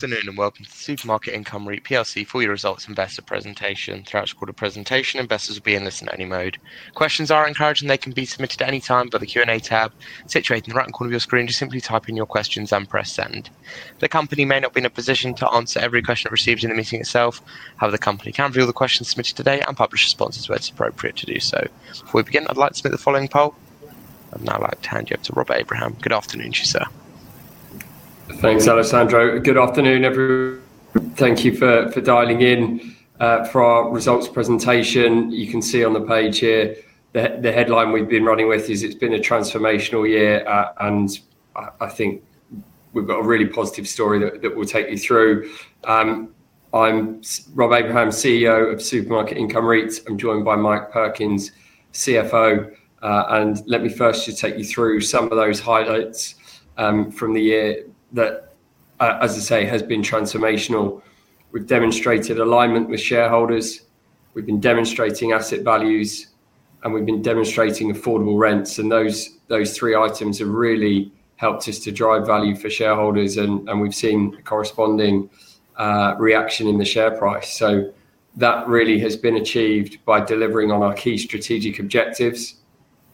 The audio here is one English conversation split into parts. Good morning. The Supermarket Income REIT PLC for your results investor presentation. Throughout its quarter presentation, investors will be in this in any mode. Questions are encouraged and they can be submitted at any time by the Q&A tab situated in the right corner of your screen. Just simply type in your questions and press send. The company may not be in a position to answer every question it receives in the meeting itself. However, the company can view all the questions submitted today and publish responses where it's appropriate to do so. Before we begin, I'd like to submit the following poll. I'd now like to hand you up to Rob Abraham. Good afternoon to you, sir. Thanks, Alessandro. Good afternoon, everyone. Thank you for dialing in for our results presentation. You can see on the page here the headline we've been running with is "It's Been a Transformational Year," and I think we've got a really positive story that we'll take you through. I'm Rob Abraham, CEO of Supermarket Income REIT PLC. I'm joined by Mike Perkins, CFO. Let me first just take you through some of those highlights from the year that, as I say, has been transformational. We've demonstrated alignment with shareholders. We've been demonstrating asset values, and we've been demonstrating affordable rents. Those three items have really helped us to drive value for shareholders, and we've seen a corresponding reaction in the share price. That really has been achieved by delivering on our key strategic objectives.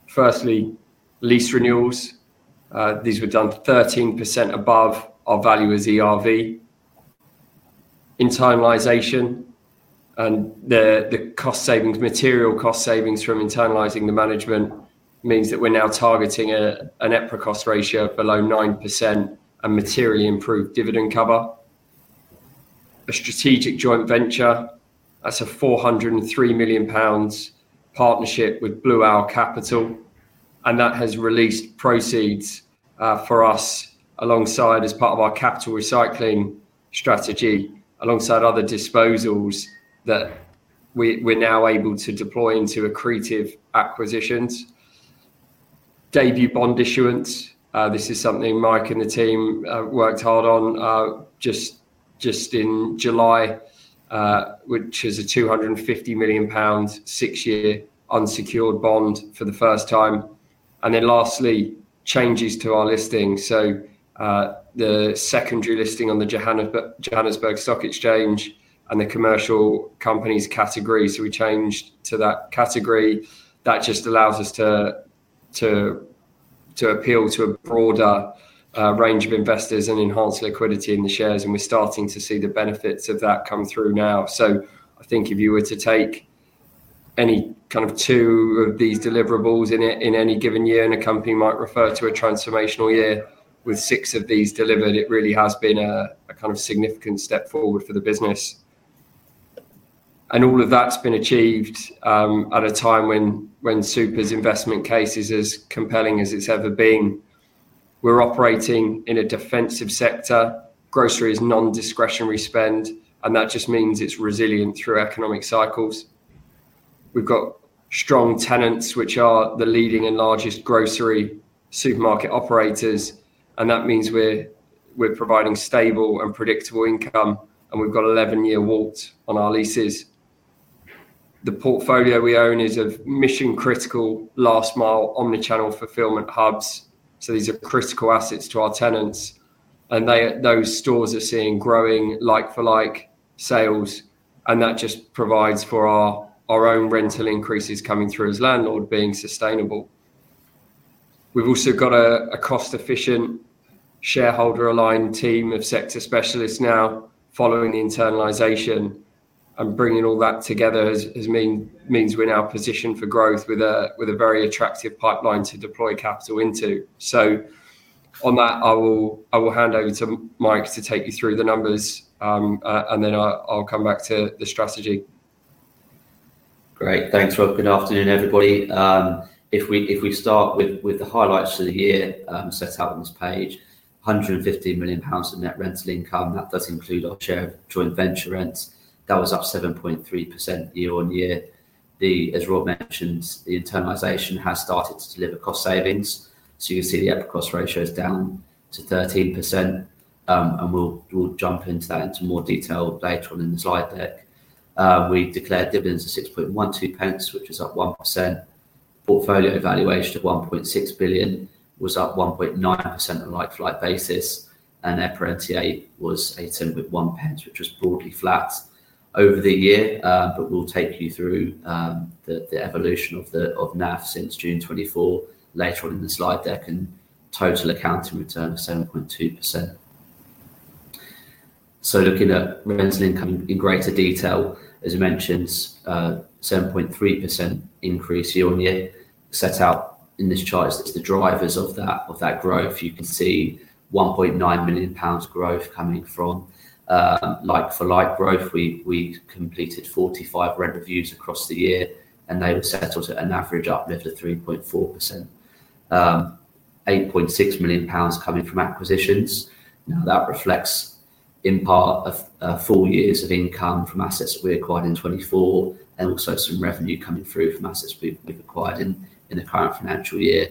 Firstly, lease renewals. These were done 13% above our value as ERV. Internalization and the cost savings, material cost savings from internalizing the management, means that we're now targeting an EPRA cost ratio below 9% and materially improved dividend cover. A strategic joint venture, that's a £403 million partnership with Blue Owl Capital, and that has released proceeds for us as part of our capital recycling strategy, alongside other disposals that we're now able to deploy into accretive acquisitions. Debut bond issuance, this is something Mike and the team worked hard on just in July, which is a £250 million six-year unsecured bond for the first time. Lastly, changes to our listing. The secondary listing on the Johannesburg Stock Exchange and the commercial companies category. We changed to that category. That just allows us to appeal to a broader range of investors and enhance liquidity in the shares, and we're starting to see the benefits of that come through now. I think if you were to take any kind of two of these deliverables in any given year, a company might refer to a transformational year. With six of these delivered, it really has been a significant step forward for the business. All of that's been achieved at a time when Supermarket Income REIT's investment case is as compelling as it's ever been. We're operating in a defensive sector. Grocery is non-discretionary spend, and that just means it's resilient through economic cycles. We've got strong tenants, which are the leading and largest grocery supermarket operators, and that means we're providing stable and predictable income, and we've got 11-year WALT on our leases. The portfolio we own is of mission-critical last-mile omnichannel fulfillment hubs. These are critical assets to our tenants, and those stores are seeing growing like-for-like sales, and that just provides for our own rental increases coming through as landlord being sustainable. We've also got a cost-efficient shareholder-aligned team of sector specialists now following the internalization, and bringing all that together means we're now positioned for growth with a very attractive pipeline to deploy capital into. On that, I will hand over to Mike to take you through the numbers, and then I'll come back to the strategy. Great. Thanks, Rob. Good afternoon, everybody. If we start with the highlights for the year, as set out on this page, £115 million of net rental income. That does include our share of joint venture rents. That was up 7.3% year-on-year. As Rob mentioned, the internalization has started to deliver cost savings. You can see the EPRA cost ratio is down to 13%, and we'll jump into that in some more detail later on in the slide deck. We declared dividends at £0.0612, which is up 1%. Portfolio valuation of £1.6 billion was up 1.9% on a like-for-like basis, and EPRA NTA was £1.81, which was broadly flat over the year. We'll take you through the evolution of NAV since June 2024 later on in the slide deck and total accounting return of 7.2%. Looking at rental income in greater detail, as you mentioned, a 7.3% increase year-on-year set out in this chart. The drivers of that growth, you can see £1.9 million growth coming from like-for-like growth. We completed 45 rent reviews across the year, and they were settled at an average uplift of 3.4%. £8.6 million coming from acquisitions. That reflects in part four years of income from assets we acquired in 2024 and also some revenue coming through from assets we've acquired in the current financial year.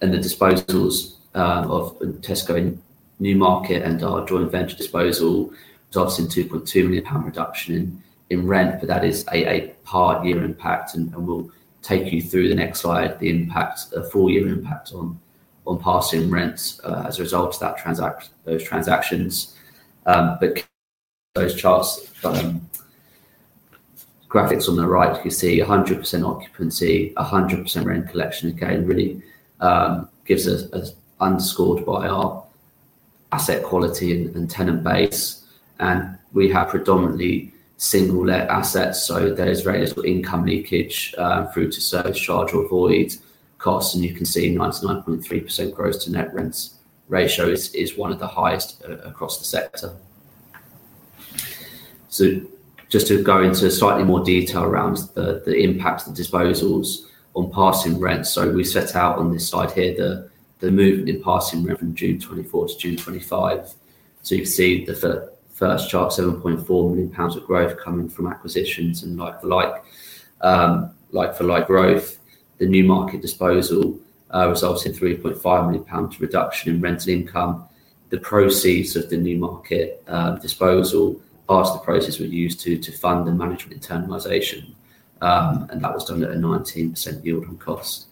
The disposals of Tesco Newmarket and our joint venture disposal resulted in £2.2 million reduction in rent, but that is a part-year impact. We'll take you through the next slide, the impact, a full-year impact on passing rents as a result of those transactions. Those charts, graphics on the right, you can see 100% occupancy, 100% rent collection. This really gives us, underscored by our asset quality and tenant base. We have predominantly single-let assets, so there is very little income leakage through to service charge or void costs. You can see 99.3% gross to net rents ratio is one of the highest across the sector. To go into slightly more detail around the impacts of disposals on passing rents, we set out on this slide here the movement in passing rent from June 2024 to June 2025. You can see the first chart, £7.4 million of growth coming from acquisitions and like-for-like growth. The Newmarket disposal resulted in £3.5 million reduction in rental income. The proceeds of the Newmarket disposal passed the process we'd used to fund and manage with internalization, and that was done at a 19% yield on cost.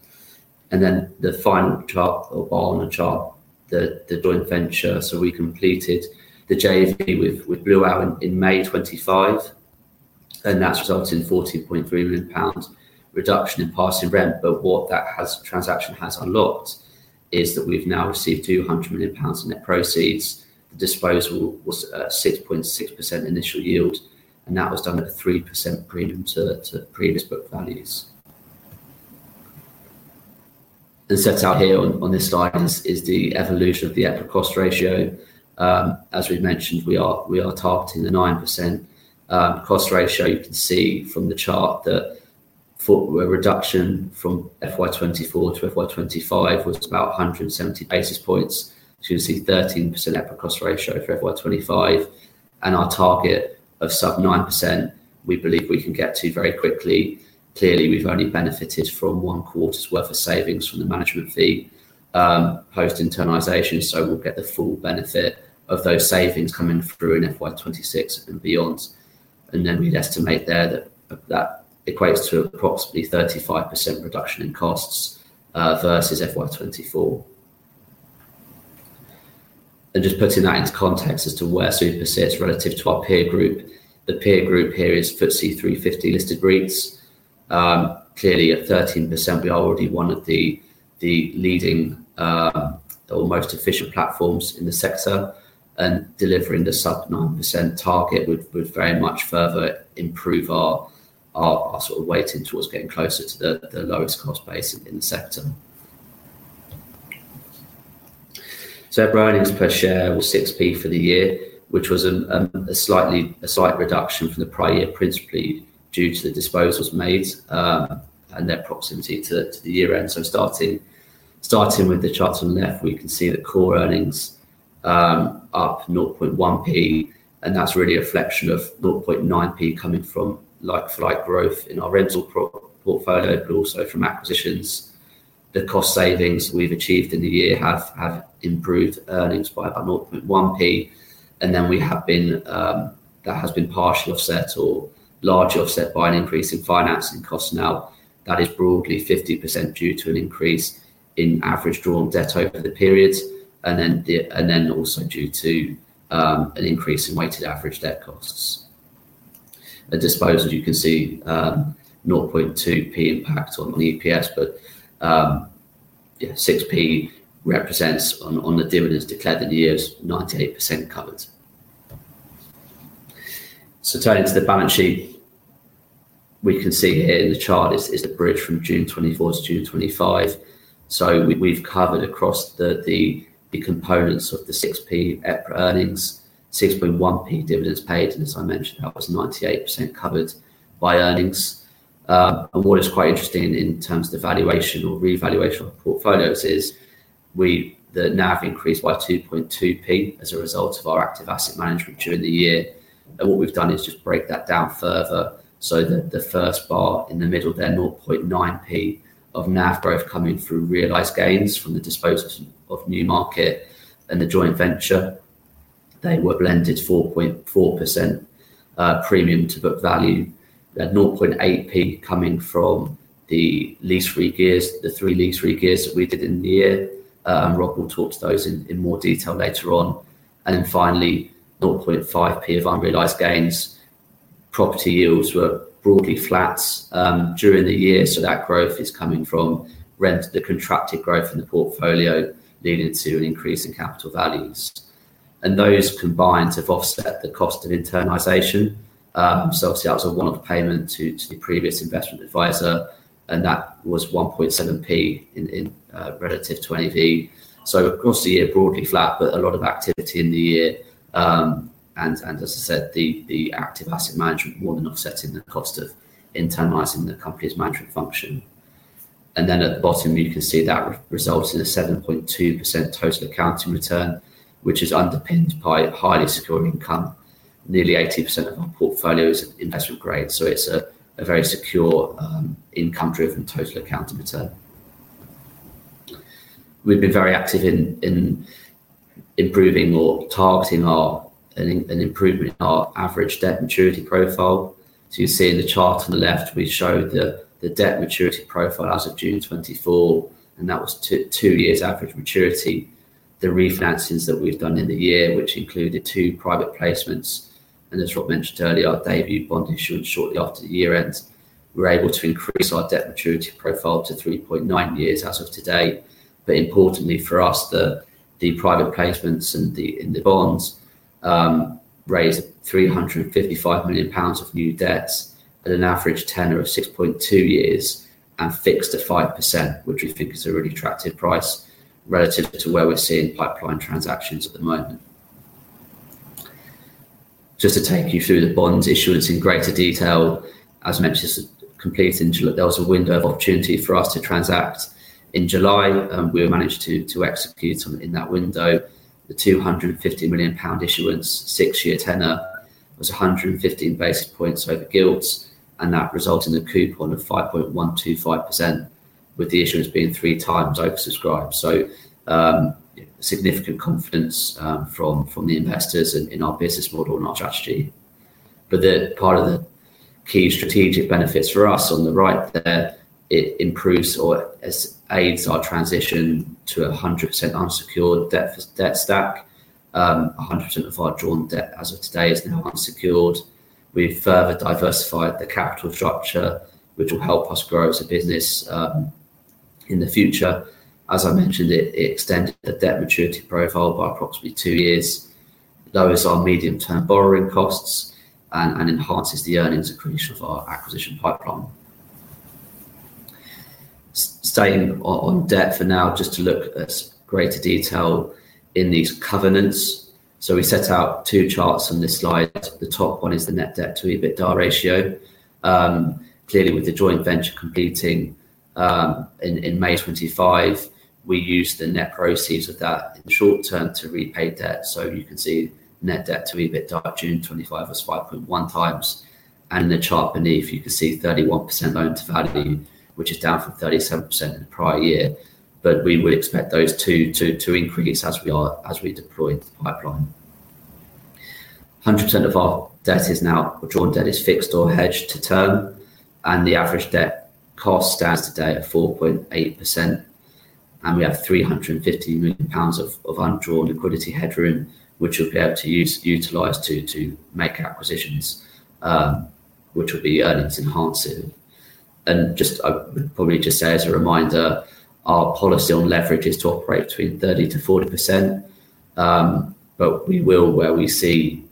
The final chart or bar on the chart, the joint venture. We completed the JV with Blue Owl Capital in May 2025, and that resulted in a £14.3 million reduction in passing rent. What that transaction has unlocked is that we've now received £200 million in net proceeds. Disposal was at 6.6% initial yield, and that was done at a 3% premium to previous book values. Set out here on this slide is the evolution of the EPRA cost ratio. As we mentioned, we are targeting the 9% cost ratio. You can see from the chart that the reduction from FY2024 to FY2025 was about 170 basis points. You can see 13% EPRA cost ratio for FY2025, and our target of sub 9% we believe we can get to very quickly. We've only benefited from one quarter's worth of savings from the management fee post-internalization, so we'll get the full benefit of those savings coming through in FY2026 and beyond. We'd estimate there that equates to approximately a 35% reduction in costs versus FY2024. Putting that into context as to where Supermarket Income REIT sits relative to our peer group, the peer group here is FTSE 350 listed REITs. At 13%, we are already one of the leading or most efficient platforms in the sector and delivering the sub 9% target. We'd very much further improve our weighting towards getting closer to the lowest cost base in the sector. Our earnings per share was 6p for the year, which was a slight reduction from the prior year, principally due to the disposals made and their proximity to the year-end. Starting with the charts on the left, we can see the core earnings are 0.1p, and that's really a reflection of 0.9p coming from like-for-like growth in our rental portfolio, but also from acquisitions. The cost savings we've achieved in the year have improved earnings by about 0.1p, and that has been partially offset or largely offset by an increase in financing costs now. That is broadly 50% due to an increase in average drawn debt over the period and also due to an increase in weighted average debt costs. Disposals, you can see 0.2p impact on EPS, but 6p represents on the dividends declared in the year, 98% covered. Turning to the balance sheet, we can see here in the chart is the bridge from June 2024 to June 2025. We've covered across the components of the 6p EPRA earnings, 6.1p dividends paid, and as I mentioned, that was 98% covered by earnings. What is quite interesting in terms of the valuation or revaluation of portfolios is the NAV increased by 2.2p as a result of our active asset management during the year. What we've done is just break that down further. The first bar in the middle there, 0.9p of NAV growth coming through realized gains from the disposals of Newmarket and the joint venture. They were blended 4.4% premium to book value. There had 0.8p coming from the lease-free gears, the three lease-free gears that we did in the year. Rob will talk to those in more detail later on. Finally, 0.5p of unrealized gains. Property yields were broadly flat during the year, so that growth is coming from rent, the contracted growth in the portfolio leading to an increase in capital values. Those combined have offset the cost of internalization. Obviously, that was a one-off payment to the previous investment advisor, and that was 1.7p in relative to NAV. Across the year, broadly flat, but a lot of activity in the year. As I said, the active asset management wasn't offsetting the cost of internalizing the company's management function. At the bottom, you can see that results in a 7.2% total accounting return, which is underpinned by highly secure income. Nearly 80% of our portfolio is investment grade, so it's a very secure income-driven total accounting return. We've been very active in improving or targeting an improvement in our average debt maturity profile. You see in the chart on the left, we showed the debt maturity profile as of June 2024, and that was two years average maturity. The refinancings that we've done in the year, which included two private placements, and as Rob mentioned earlier, our debut bond issuance shortly after the year ends, we're able to increase our debt maturity profile to 3.9 years as of today. Importantly for us, the private placements and the bonds raised £355 million of new debts at an average tenure of 6.2 years and fixed to 5%, which we think is a really attractive price relative to where we're seeing pipeline transactions at the moment. Just to take you through the bond issuance in greater detail, as I mentioned, it's a complete thing to look. There was a window of opportunity for us to transact in July, and we managed to execute in that window. The £250 million issuance, six-year tenor, was 115 basis points over Gilt, and that resulted in a coupon of 5.125%, with the issuance being three times oversubscribed. Significant confidence from the investors in our business model and our strategy. Part of the key strategic benefits for us on the right there, it improves or aids our transition to a 100% unsecured debt stack. 100% of our drawn debt as of today is now unsecured. We've further diversified the capital structure, which will help us grow as a business in the future. As I mentioned, it extends the debt maturity profile by approximately two years. It lowers our medium-term borrowing costs and enhances the earnings accretion of our acquisition pipeline. Staying on debt for now, just to look at greater detail in these covenants. We set out two charts on this slide. The top one is the net debt to EBITDA ratio. Clearly, with the joint venture completing in May 2025, we used the net proceeds of that in the short term to repay debt. You can see net debt to EBITDA June 2025 was 5.1 times. In the chart beneath, you can see 31% loan to value, which is down from 37% in the prior year. We would expect those two to increase as we deploy the pipeline. 100% of our debt is now drawn debt is fixed or hedged to term, and the average debt cost stands today at 4.8%. We have £315 million of undrawn liquidity headroom, which we'll be able to utilize to make acquisitions, which will be earnings enhancing. Just as a reminder, our policy on leverage is to operate between 30% to 40%. Where we see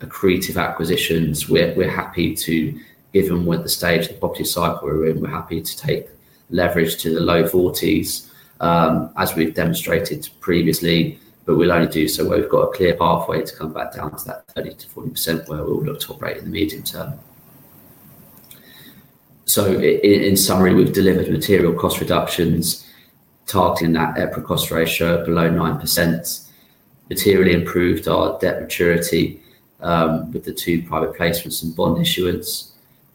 accretive acquisitions, we're happy to, given where the stage of the property cycle we're in, we're happy to take leverage to the low 40s, as we've demonstrated previously. We'll only do so where we've got a clear pathway to come back down to that 30% to 40% where we'll look to operate in the medium term. In summary, we've delivered material cost reductions, targeting that EPRA cost ratio below 9%, materially improved our debt maturity with the two private placements and bond issuance.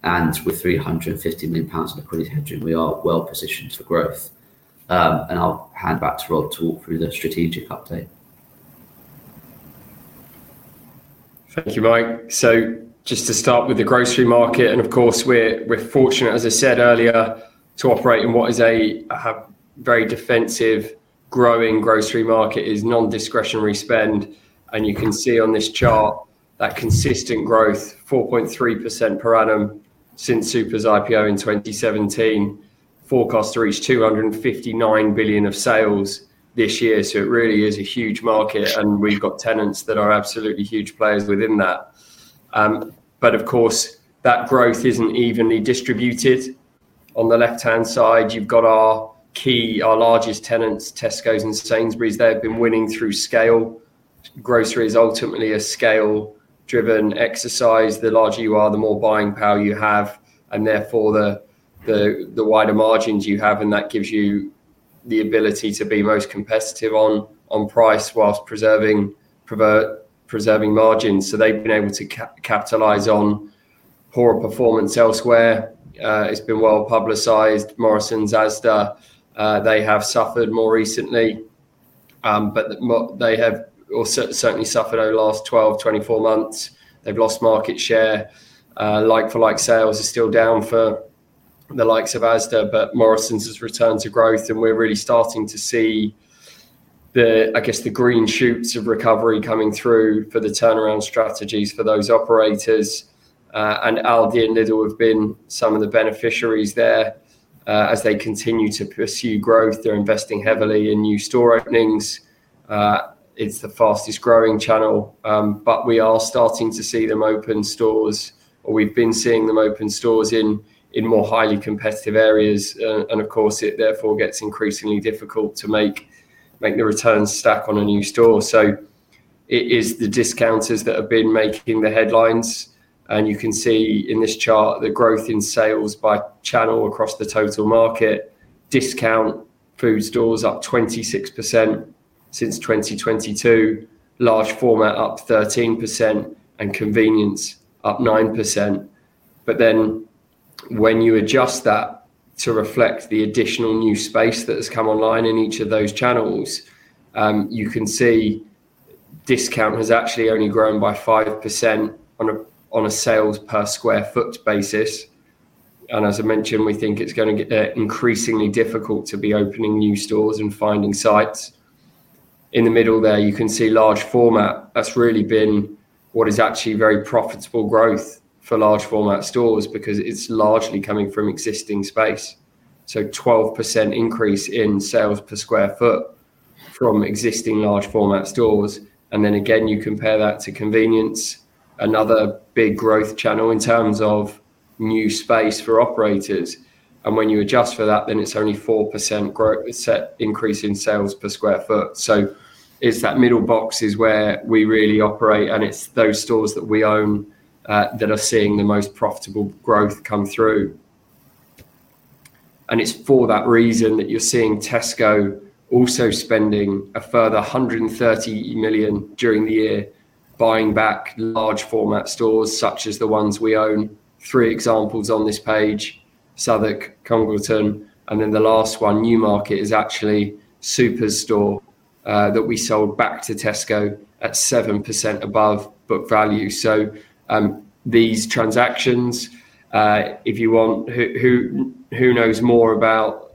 With £315 million of liquidity headroom, we are well positioned for growth. I'll hand back to Rob to walk through the strategic update. Thank you, Mike. Just to start with the grocery market, we're fortunate, as I said earlier, to operate in what is a very defensive, growing grocery market. It is non-discretionary spend. You can see on this chart that consistent growth, 4.3% per annum since Supermarket Income REIT's IPO in 2017. Forecast to reach £259 billion of sales this year. It really is a huge market, and we've got tenants that are absolutely huge players within that. That growth isn't evenly distributed. On the left-hand side, you've got our key, our largest tenants, Tesco and Sainsbury's. They've been winning through scale. Grocery is ultimately a scale-driven exercise. The larger you are, the more buying power you have, and therefore the wider margins you have. That gives you the ability to be most competitive on price whilst preserving margins. They've been able to capitalize on poorer performance elsewhere. It's been well publicized. Morrisons, Asda, they have suffered more recently, but they have certainly suffered over the last 12, 24 months. They've lost market share. Like-for-like sales are still down for the likes of Asda, but Morrisons has returned to growth, and we're really starting to see the, I guess, the green shoots of recovery coming through for the turnaround strategies for those operators. Aldi and Lidl have been some of the beneficiaries there. As they continue to pursue growth, they're investing heavily in new store openings. It's the fastest growing channel, but we are starting to see them open stores, or we've been seeing them open stores in more highly competitive areas. It therefore gets increasingly difficult to make the returns stack on a new store. It is the discounters that have been making the headlines. You can see in this chart the growth in sales by channel across the total market. Discount food stores up 26% since 2022. Large format up 13% and convenience up 9%. When you adjust that to reflect the additional new space that has come online in each of those channels, you can see discount has actually only grown by 5% on a sales per square foot basis. As I mentioned, we think it's going to get increasingly difficult to be opening new stores and finding sites. In the middle there, you can see large format. That's really been what is actually very profitable growth for large format stores because it's largely coming from existing space. There is a 12% increase in sales per square foot from existing large format stores. When you compare that to convenience, another big growth channel in terms of new space for operators, and when you adjust for that, then it's only 4% growth increase in sales per square foot. That middle box is where we really operate, and it's those stores that we own that are seeing the most profitable growth come through. It is for that reason that you're seeing Tesco also spending a further £130 million during the year, buying back large format stores such as the ones we own. Three examples on this page, Southwark, Congleton, and then the last one, Newmarket, is actually Supermarket Income REIT's store that we sold back to Tesco at 7% above book value. These transactions, if you want, who knows more about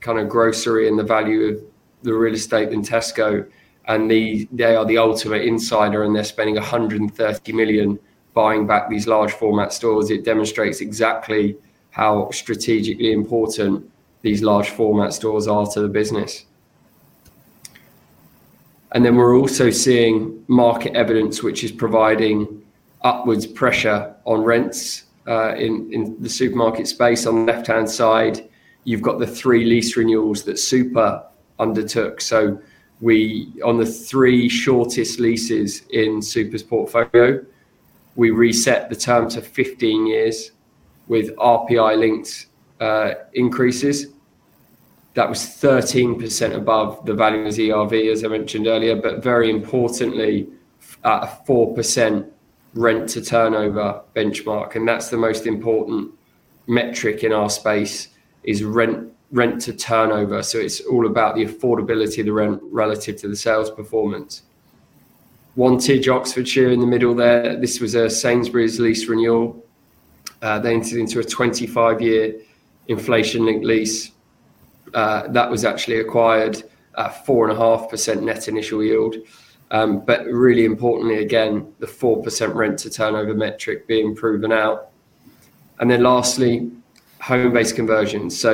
grocery and the value of the real estate than Tesco? They are the ultimate insider, and they're spending £130 million buying back these large format stores. It demonstrates exactly how strategically important these large format stores are to the business. We are also seeing market evidence, which is providing upwards pressure on rents in the supermarket space. On the left-hand side, you've got the three lease renewals that Supermarket Income REIT undertook. On the three shortest leases in Supermarket Income REIT's portfolio, we reset the term to 15 years with RPI-linked increases. That was 13% above the value of ERV, as I mentioned earlier, but very importantly, a 4% rent to turnover benchmark. The most important metric in our space is rent to turnover. It's all about the affordability of the rent relative to the sales performance. One TG Oxford share in the middle there, this was a Sainsbury's lease renewal. They entered into a 25-year inflation-linked lease. That was actually acquired at 4.5% net initial yield. Really importantly, again, the 4% rent to turnover metric being proven out. Lastly, home-based conversions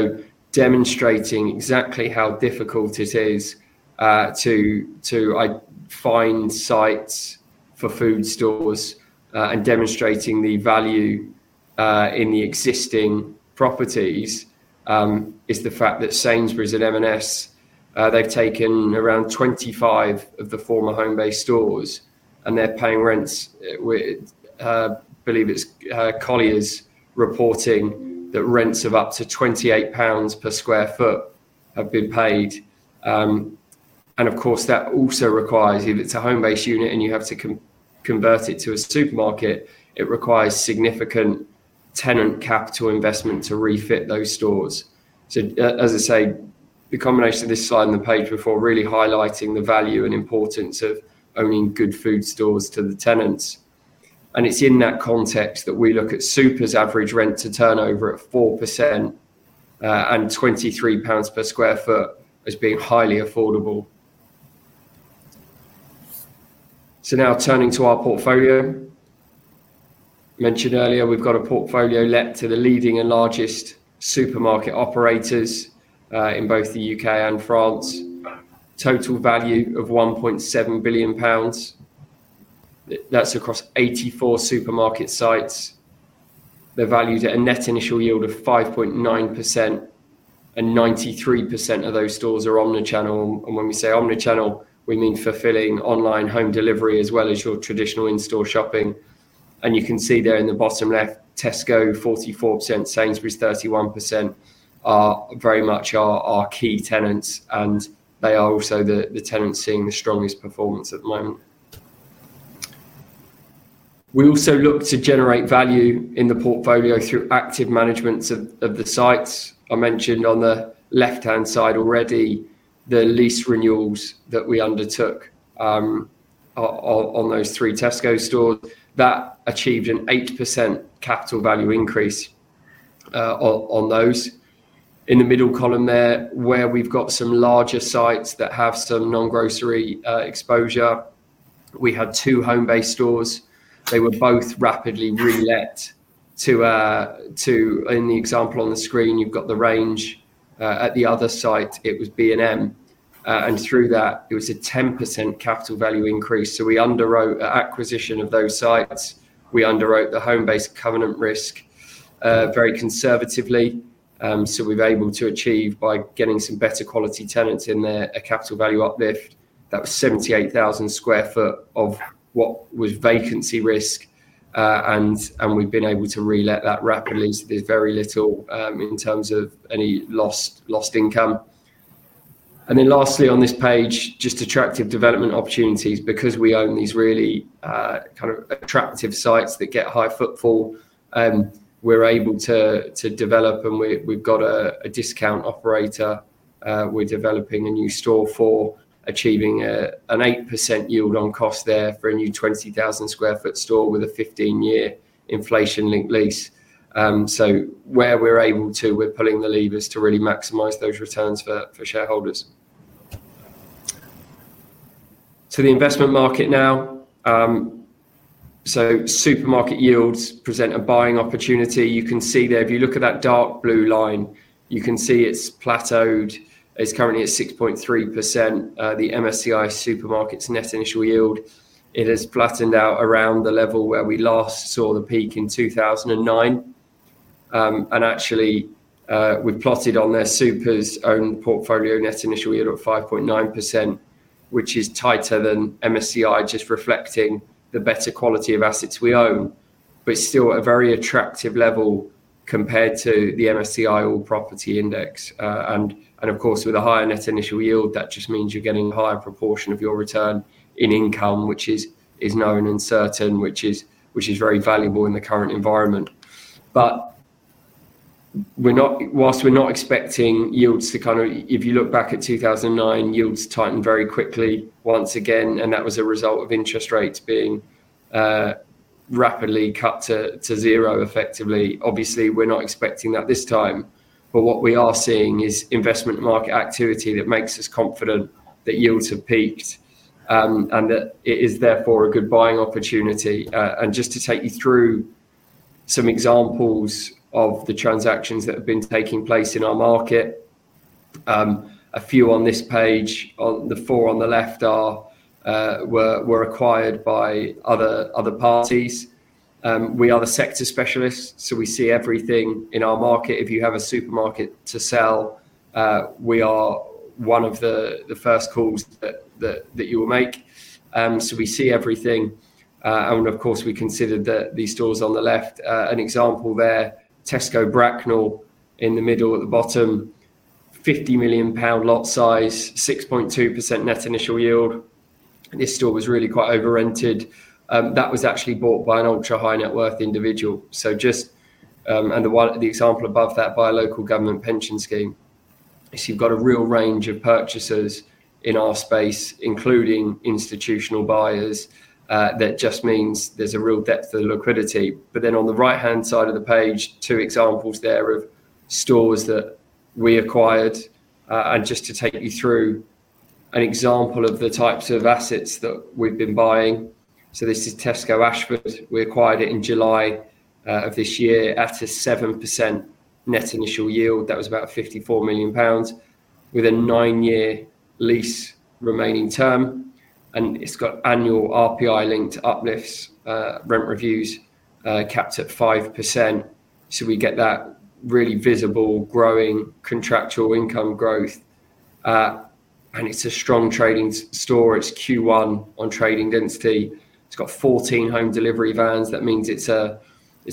demonstrate exactly how difficult it is to find sites for food stores and demonstrate the value in the existing properties. Sainsbury's and M&S have taken around 25 of the former Homebase stores and they're paying rents. I believe it's Colliers reporting that rents of up to £28 per square foot have been paid. Of course, that also requires, if it's a Homebase unit and you have to convert it to a supermarket, it requires significant tenant capital investment to refit those stores. As I say, the combination of this slide and the page before really highlighting the value and importance of owning good food stores to the tenants. It's in that context that we look at Supermarket Income REIT's average rent to turnover at 4% and £23 per square foot as being highly affordable. Now turning to our portfolio. Mentioned earlier, we've got a portfolio let to the leading and largest supermarket operators in both the UK and France. Total value of £1.7 billion. That's across 84 supermarket sites. They're valued at a net initial yield of 5.9%. 93% of those stores are omnichannel. When we say omnichannel, we mean fulfilling online home delivery as well as your traditional in-store shopping. You can see there in the bottom left, Tesco 44%, Sainsbury's 31% are very much our key tenants, and they are also the tenants seeing the strongest performance at the moment. We also look to generate value in the portfolio through active management of the sites. I mentioned on the left-hand side already, the lease renewals that we undertook on those three Tesco stores that achieved an 8% capital value increase on those. In the middle column there, where we've got some larger sites that have some non-grocery exposure, we had two Homebase stores. They were both rapidly relet to, in the example on the screen, you've got The Range. At the other site, it was B&M, and through that, it was a 10% capital value increase. We underwrote acquisition of those sites. We underwrote the Homebase covenant risk very conservatively. We were able to achieve, by getting some better quality tenants in there, a capital value uplift. That was 78,000 square foot of what was vacancy risk. We've been able to relet that rapidly. There's very little in terms of any lost income. Lastly on this page, just attractive development opportunities. Because we own these really kind of attractive sites that get high footfall, we're able to develop, and we've got a discount operator we're developing a new store for, achieving an 8% yield on cost there for a new 20,000 square foot store with a 15-year inflation-linked lease. Where we're able to, we're pulling the levers to really maximize those returns for shareholders. To the investment market now. Supermarket yields present a buying opportunity. You can see there, if you look at that dark blue line, you can see it's plateaued. It's currently at 6.3%. The MSCI Supermarket's net initial yield, it has flattened out around the level where we last saw the peak in 2009. Actually, we've plotted on there Supermarket Income REIT's own portfolio net initial yield at 5.9%, which is tighter than MSCI, just reflecting the better quality of assets we own. It's still a very attractive level compared to the MSCI All Property Index. Of course, with a higher net initial yield, that just means you're getting a higher proportion of your return in income, which is known and certain, which is very valuable in the current environment. Whilst we're not expecting yields to kind of, if you look back at 2009, yields tightened very quickly once again, and that was a result of interest rates being rapidly cut to zero effectively. Obviously, we're not expecting that this time, but what we are seeing is investment market activity that makes us confident that yields have peaked, and that it is therefore a good buying opportunity. Just to take you through some examples of the transactions that have been taking place in our market, a few on this page. The four on the left were acquired by other parties. We are the sector specialists, so we see everything in our market. If you have a supermarket to sell, we are one of the first calls that you will make. We see everything. Of course, we considered these stores on the left. An example there, Tesco Bracknell in the middle at the bottom, £50 million lot size, 6.2% net initial yield. This store was really quite over-rented. That was actually bought by an ultra-high net worth individual. The example above that, by a local government pension scheme. You've got a real range of purchasers in our space, including institutional buyers. That just means there's a real depth of liquidity. On the right-hand side of the page, two examples there of stores that we acquired. Just to take you through an example of the types of assets that we've been buying. This is Tesco Ashford. We acquired it in July of this year at a 7% net initial yield. That was about £54 million with a nine-year lease remaining term. It's got annual RPI-linked uplifts, rent reviews capped at 5%. We get that really visible growing contractual income growth. It's a strong trading store. It's Q1 on trading density. It's got 14 home delivery vans. That means it's a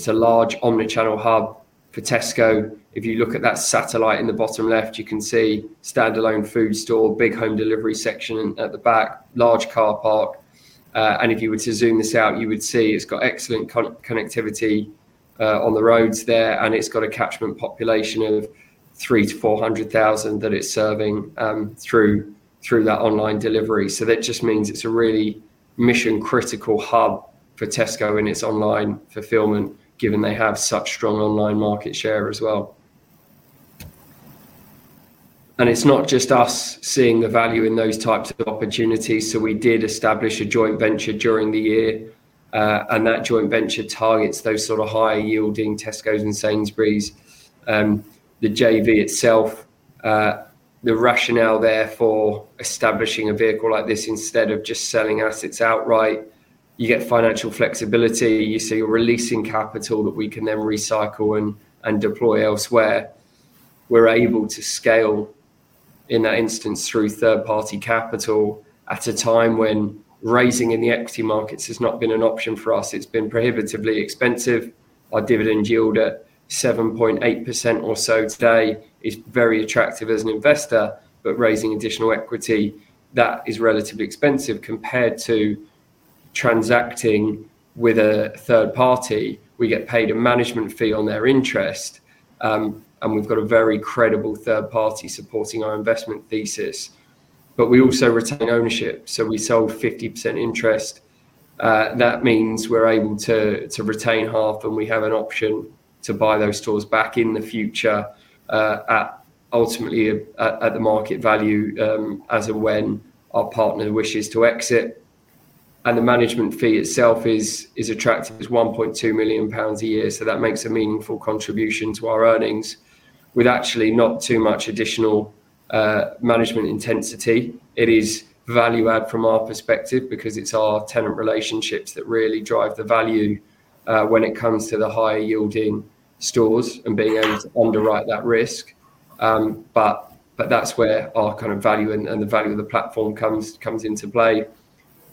large omnichannel hub for Tesco. If you look at that satellite in the bottom left, you can see standalone food store, big home delivery section at the back, large car park. If you were to zoom this out, you would see it's got excellent connectivity on the roads there, and it's got a catchment population of 300,000 to 400,000 that it's serving through that online delivery. That just means it's a really mission-critical hub for Tesco in its online fulfillment, given they have such strong online market share as well. It's not just us seeing the value in those types of opportunities. We did establish a joint venture during the year, and that joint venture targets those sort of higher yielding Tescos and Sainsbury's. The JV itself, the rationale there for establishing a vehicle like this instead of just selling assets outright, you get financial flexibility. You see you're releasing capital that we can then recycle and deploy elsewhere. We're able to scale in that instance through third-party capital at a time when raising in the equity markets has not been an option for us. It's been prohibitively expensive. Our dividend yield at 7.8% or so today is very attractive as an investor, but raising additional equity, that is relatively expensive compared to transacting with a third party. We get paid a management fee on their interest, and we've got a very credible third party supporting our investment thesis. We also retain ownership. We sold 50% interest. That means we're able to retain half, and we have an option to buy those stores back in the future, ultimately at the market value as of when our partner wishes to exit. The management fee itself is attractive. It's £1.2 million a year. That makes a meaningful contribution to our earnings with actually not too much additional management intensity. It is value add from our perspective because it's our tenant relationships that really drive the value when it comes to the higher yielding stores and being able to underwrite that risk. That's where our kind of value and the value of the platform comes into play.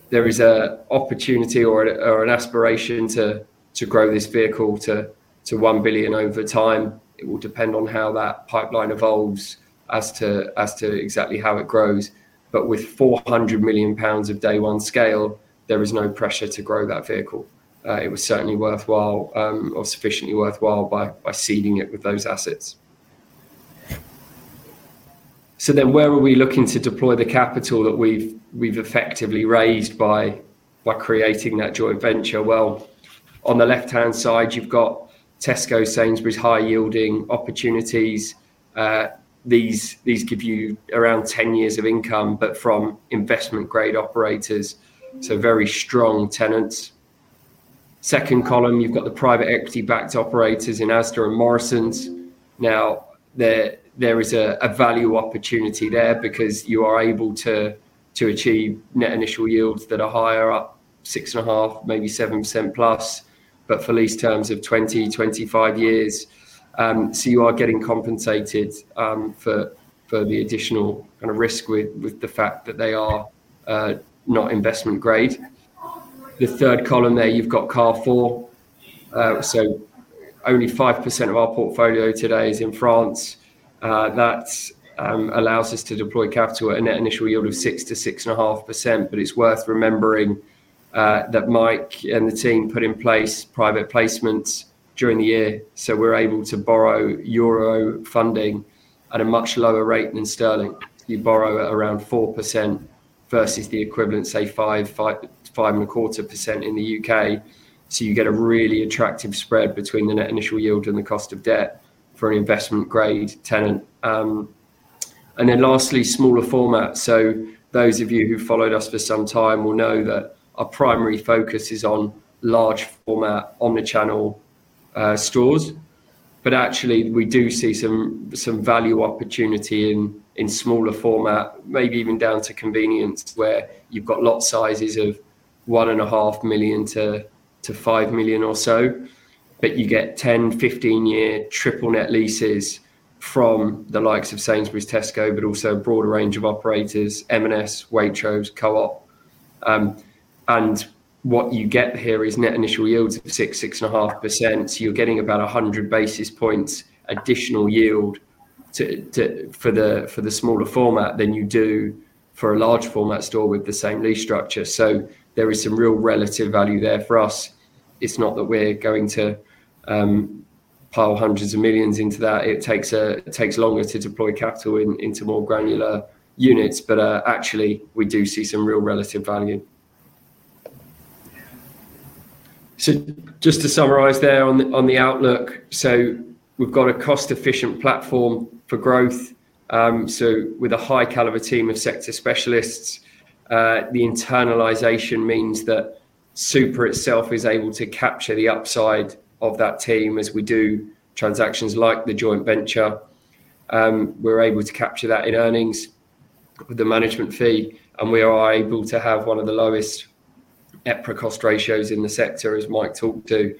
There is an opportunity or an aspiration to grow this vehicle to £1 billion over time. It will depend on how that pipeline evolves as to exactly how it grows. With £400 million of day-one scale, there is no pressure to grow that vehicle. It was certainly worthwhile or sufficiently worthwhile by seeding it with those assets. Where are we looking to deploy the capital that we've effectively raised by creating that joint venture? On the left-hand side, you've got Tesco, Sainsbury's, high-yielding opportunities. These give you around 10 years of income, but from investment-grade operators, so very strong tenants. In the second column, you've got the private equity-backed operators in Asda and Morrisons. There is a value opportunity there because you are able to achieve net initial yields that are higher up, 6.5%, maybe 7% plus, but for lease terms of 20, 25 years. You are getting compensated for the additional kind of risk with the fact that they are not investment grade. In the third column, you've got Carrefour. Only 5% of our portfolio today is in France. That allows us to deploy capital at a net initial yield of 6% to 6.5%. It's worth remembering that Mike and the team put in place private placements during the year. We're able to borrow euro funding at a much lower rate than sterling. You borrow at around 4% versus the equivalent, say, 5.25% in the UK. You get a really attractive spread between the net initial yield and the cost of debt for an investment-grade tenant. Lastly, smaller format. Those of you who've followed us for some time will know that our primary focus is on large format omnichannel stores. We do see some value opportunity in smaller format, maybe even down to convenience, where you've got lot sizes of £1.5 million to £5 million or so. You get 10, 15-year triple net leases from the likes of Sainsbury's, Tesco, but also a broader range of operators, M&S, Waitrose, Co-op. What you get here is net initial yields of 6%, 6.5%. You're getting about 100 basis points additional yield for the smaller format than you do for a large format store with the same lease structure. There is some real relative value there for us. It's not that we're going to pile hundreds of millions into that. It takes longer to deploy capital into more granular units, but we do see some real relative value. To summarize on the outlook, we've got a cost-efficient platform for growth. With a high-caliber team of sector specialists, the internalization means that Supermarket Income REIT itself is able to capture the upside of that team as we do transactions like the joint venture. We're able to capture that in earnings, the management fee, and we are able to have one of the lowest EPRA cost ratios in the sector, as Mike talked to.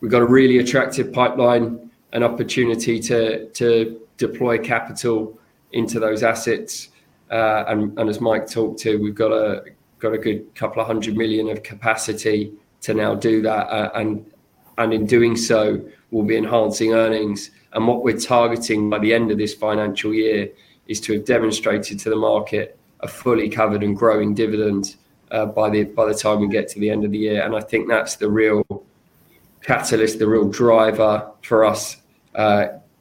We've got a really attractive pipeline and opportunity to deploy capital into those assets. As Mike talked to, we've got a good couple of hundred million of capacity to now do that. In doing so, we'll be enhancing earnings. What we're targeting by the end of this financial year is to have demonstrated to the market a fully covered and growing dividend by the time we get to the end of the year. I think that's the real catalyst, the real driver for us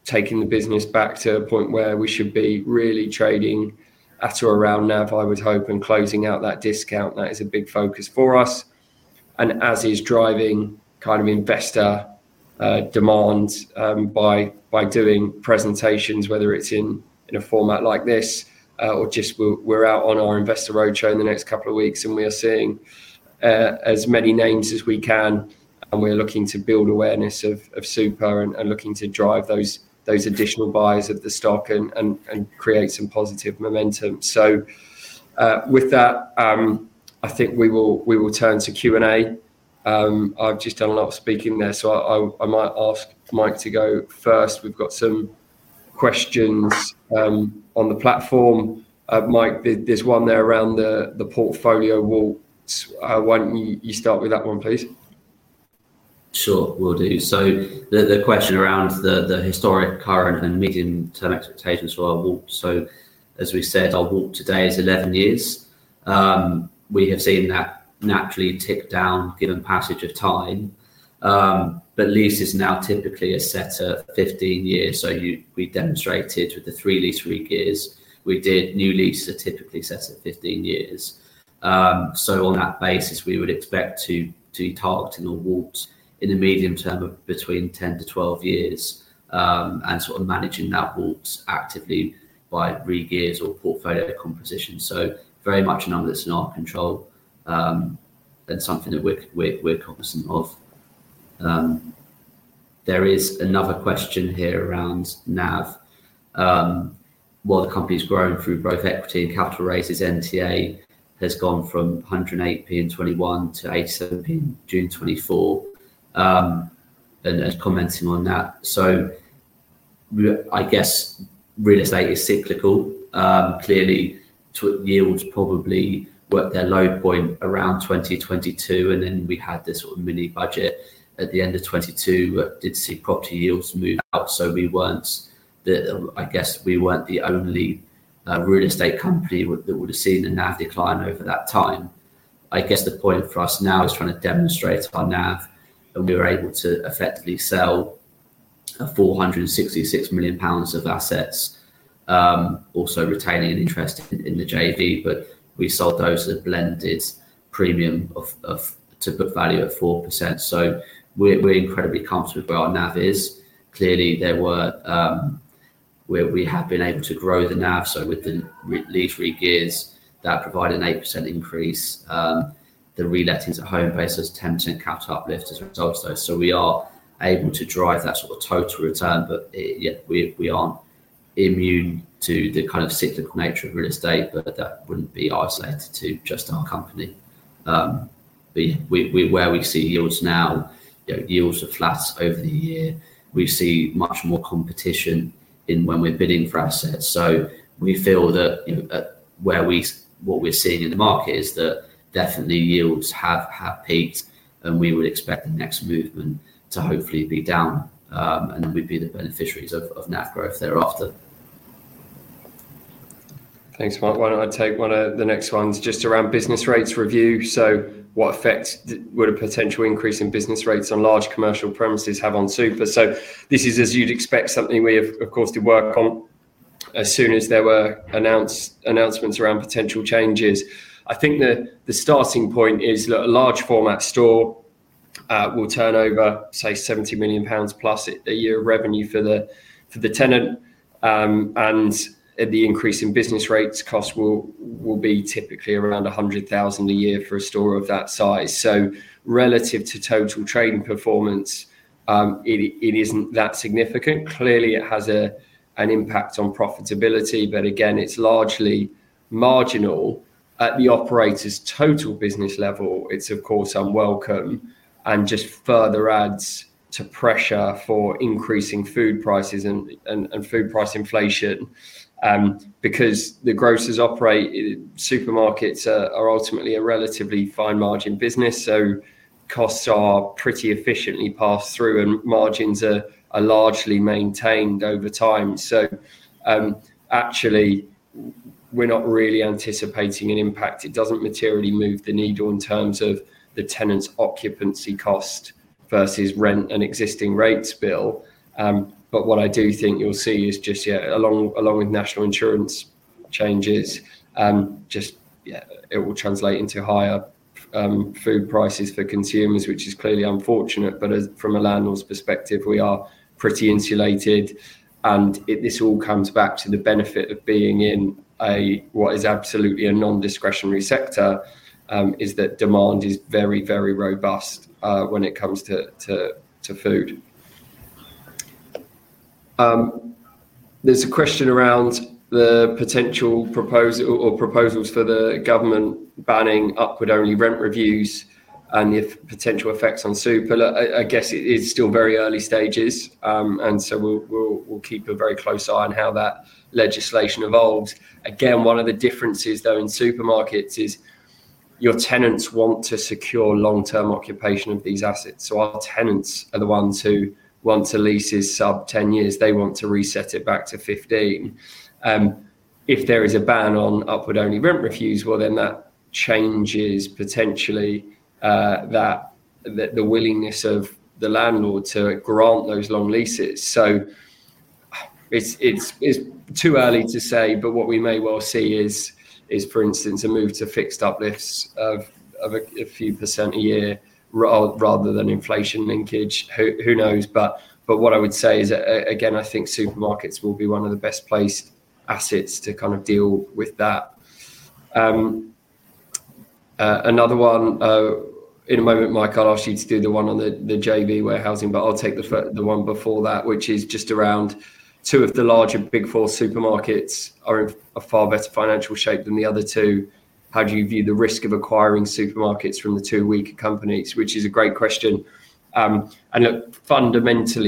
taking the business back to a point where we should be really trading at or around NAV, I would hope, and closing out that discount. That is a big focus for us, as is driving kind of investor demands by doing presentations, whether it's in a format like this or just we're out on our investor roadshow in the next couple of weeks, and we are seeing as many names as we can. We're looking to build awareness of Supermarket Income REIT and looking to drive those additional buyers of the stock and create some positive momentum. With that, I think we will turn to Q&A. I've just done a lot of speaking there, so I might ask Mike to go first. We've got some questions on the platform. Mike, there's one there around the portfolio WALT. Why don't you start with that one, please? Sure, will do. The question around the historic, current, and medium-term expectations for our WALT. As we said, our WALT today is 11 years. We have seen that naturally tick down given passage of time, but leases now typically are set at 15 years. We demonstrated with the three lease regears we did, new leases are typically set at 15 years. On that basis, we would expect to be targeting a WALT in the medium term of between 10 to 12 years and managing that WALT actively by regears or portfolio composition. It is very much a number that's in our control and something that we're cognizant of. There is another question here around NAV. While the company's grown through both equity and capital raises, NTA has gone from 108p in 2021 to 87p in June 2024. Commenting on that, real estate is cyclical. Clearly, yields probably were at their low point around 2022. There was this mini-budget at the end of 2022 that did see property yields move up. We were not the only real estate company that would have seen the NAV decline over that time. The point for us now is trying to demonstrate our NAV. We were able to effectively sell £466 million of assets, also retaining an interest in the JV, but we sold those as a blended premium to book value at 4%. We are incredibly comfortable with where our NAV is. We have been able to grow the NAV. With the lease regears that provide an 8% increase, the relettings at home basis 10% capital uplift as a result of those. We are able to drive that sort of total return. We are not immune to the cyclical nature of real estate, but that would not be isolated to just our company. Where we see yields now, yields are flat over the year. We see much more competition when we're bidding for assets. We feel that what we're seeing in the market is that definitely yields have peaked, and we would expect the next movement to hopefully be down. We would be the beneficiaries of NAV growth thereafter. Thanks, Mike. Why don't I take one of the next ones just around business rates review? What effect would a potential increase in business rates on large commercial premises have on Supermarket Income REIT? This is, as you'd expect, something we have, of course, to work on as soon as there were announcements around potential changes. I think the starting point is that a large format store will turn over, say, £70 million plus a year of revenue for the tenant. The increase in business rates cost will be typically around £100,000 a year for a store of that size. Relative to total trade performance, it isn't that significant. Clearly, it has an impact on profitability, but again, it's largely marginal at the operator's total business level. It's, of course, unwelcome and just further adds to pressure for increasing food prices and food price inflation. Because the grocers operate, supermarkets are ultimately a relatively fine margin business. Costs are pretty efficiently passed through, and margins are largely maintained over time. We're not really anticipating an impact. It doesn't materially move the needle in terms of the tenant's occupancy cost versus rent and existing rates bill. What I do think you'll see is just, yeah, along with national insurance changes, it will translate into higher food prices for consumers, which is clearly unfortunate. From a landlord's perspective, we are pretty insulated. This all comes back to the benefit of being in what is absolutely a non-discretionary sector, as demand is very, very robust when it comes to food. There's a question around the potential proposals for the government banning upward only rent reviews and the potential effects on Supermarket Income REIT. I guess it is still very early stages, and we'll keep a very close eye on how that legislation evolves. One of the differences, though, in supermarkets is your tenants want to secure long-term occupation of these assets. Our tenants are the ones who want to lease sub 10 years. They want to reset it back to 15. If there is a ban on upward only rent reviews, that changes potentially the willingness of the landlord to grant those long leases. It's too early to say, but what we may well see is, for instance, a move to fixed uplifts of a few % a year rather than inflation linkage. Who knows? What I would say is, again, I think supermarkets will be one of the best placed assets to kind of deal with that. Another one, in a moment, Mike, I'll ask you to do the one on the JV warehousing, but I'll take the one before that, which is just around two of the larger Big Four supermarkets are in a far better financial shape than the other two. How do you view the risk of acquiring supermarkets from the two weaker companies? Which is a great question. Fundamentally,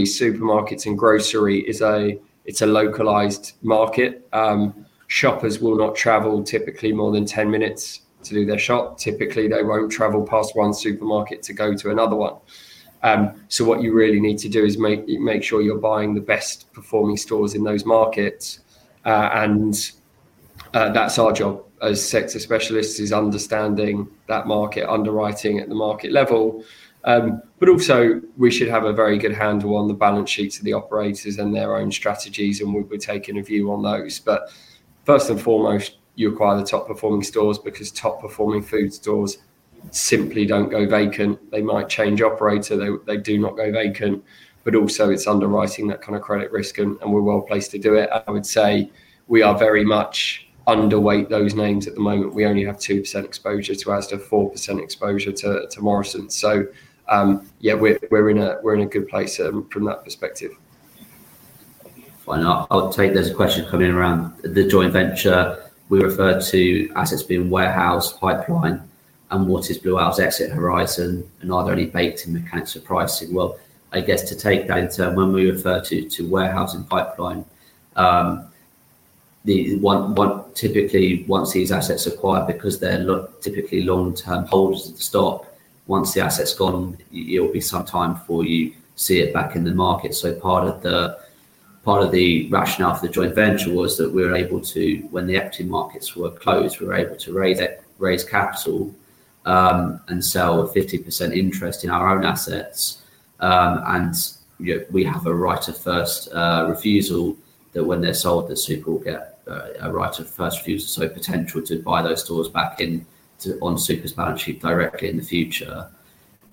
supermarkets and grocery, it's a localized market. Shoppers will not travel typically more than 10 minutes to do their shop. Typically, they won't travel past one supermarket to go to another one. What you really need to do is make sure you're buying the best performing stores in those markets. That's our job as sector specialists, understanding that market, underwriting at the market level. We should have a very good handle on the balance sheets of the operators and their own strategies, and we're taking a view on those. First and foremost, you acquire the top performing stores because top performing food stores simply don't go vacant. They might change operator. They do not go vacant. It's underwriting that kind of credit risk, and we're well placed to do it. I would say we are very much underweight those names at the moment. We only have 2% exposure to Asda, 4% exposure to Morrisons. We're in a good place from that perspective. I'll take there's a question coming around the joint venture. We refer to assets being warehoused, pipeline, and what is Blue Owl Capital's asset horizon, and are they only baked in mechanics of privacy? I guess to take data, when we refer to warehousing pipeline, typically once these assets are acquired, because they're typically long-term holders of the stock, once the asset's gone, it'll be some time before you see it back in the market. Part of the rationale for the joint venture was that we were able to, when the equity markets were closed, raise capital and sell a 50% interest in our own assets. We have a right of first refusal that when they're sold, Supermarket Income REIT will get a right of first refusal, so potential to buy those stores back in on Supermarket Income REIT's balance sheet directly in the future.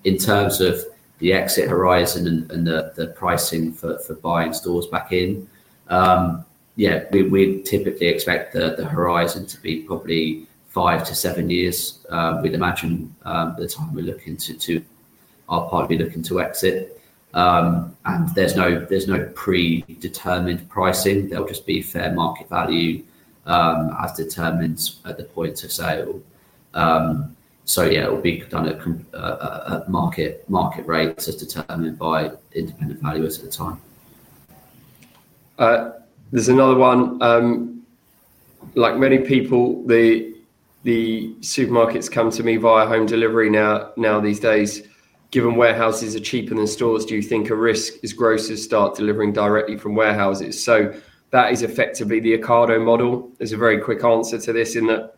In terms of the exit horizon and the pricing for buying stores back in, we'd typically expect the horizon to be probably five to seven years. We'd imagine the time we're looking to, our partner would be looking to exit. There's no predetermined pricing. There'll just be fair market value as determined at the point of sale. It'll be done at market rates as determined by independent valuers at the time. There's another one. Like many people, the supermarkets come to me via home delivery now these days. Given warehouses are cheaper than stores, do you think a risk is grocers start delivering directly from warehouses? That is effectively the Ocado model. There's a very quick answer to this in that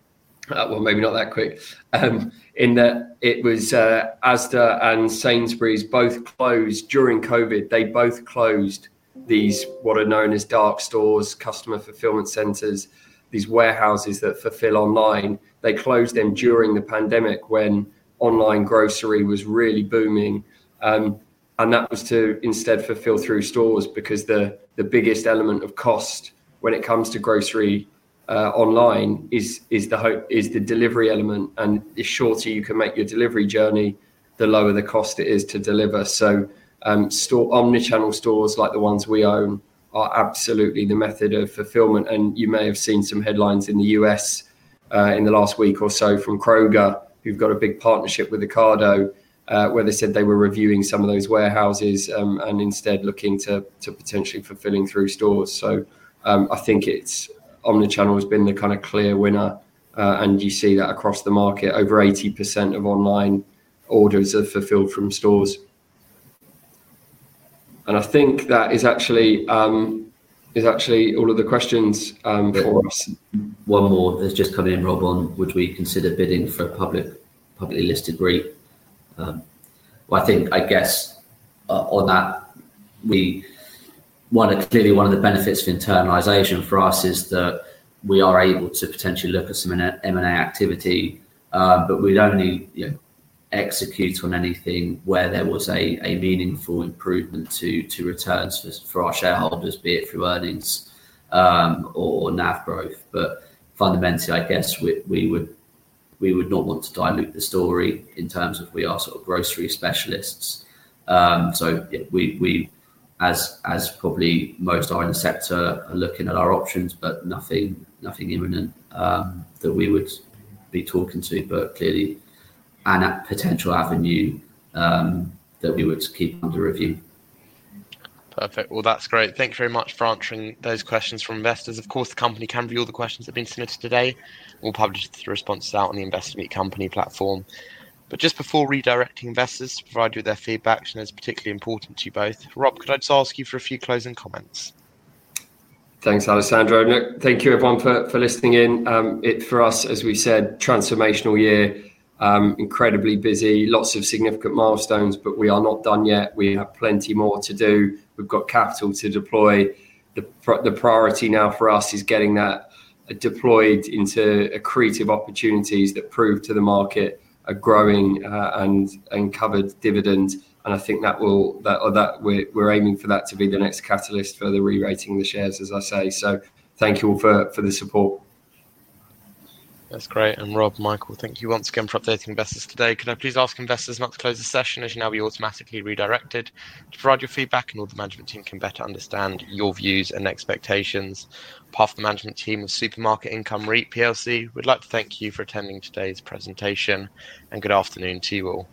it was Asda and Sainsbury's both closed during COVID. They both closed these, what are known as dark stores, customer fulfillment centers, these warehouses that fulfill online. They closed them during the pandemic when online grocery was really booming. That was to instead fulfill through stores because the biggest element of cost when it comes to grocery online is the delivery element. The shorter you can make your delivery journey, the lower the cost it is to deliver. Omnichannel stores like the ones we own are absolutely the method of fulfillment. You may have seen some headlines in the U.S. in the last week or so from Kroger, who've got a big partnership with Ocado, where they said they were reviewing some of those warehouses and instead looking to potentially fulfilling through stores. I think omnichannel has been the kind of clear winner. You see that across the market, over 80% of online orders are fulfilled from stores. I think that is actually all of the questions. One more has just come in, Rob, on would we consider bidding for a publicly listed REIT? I think, I guess on that, we want to clearly, one of the benefits of internalization for us is that we are able to potentially look at some M&A activity. We'd only execute on anything where there was a meaningful improvement to returns for our shareholders, be it through earnings or NAV growth. Fundamentally, I guess we would not want to dilute the story in terms of we are sort of grocery specialists. We, as probably most are in a sector, are looking at our options, but nothing imminent that we would be talking to, but clearly a potential avenue that we would keep under review. Perfect. That's great. Thanks very much for answering those questions from investors. Of course, the company can view all the questions that have been submitted today. We'll publish the responses out on the Investor Meet Company platform. Just before redirecting investors to provide you with their feedback, and it's particularly important to you both. Rob, could I just ask you for a few closing comments? Thanks, Alessandro. Thank you, everyone, for listening in. It's for us, as we said, transformational year, incredibly busy, lots of significant milestones, but we are not done yet. We have plenty more to do. We've got capital to deploy. The priority now for us is getting that deployed into accretive opportunities that prove to the market a growing and covered dividend. I think that will, that we're aiming for that to be the next catalyst for the re-rating of the shares, as I say. Thank you all for the support. That's great. Rob, Michael, thank you once again for updating investors today. Can I please ask investors not to close the session? As you know, we automatically redirected to provide your feedback and all the management team can better understand your views and expectations. Path for Management Team of Supermarket Income REIT PLC, we'd like to thank you for attending today's presentation. Good afternoon to you all.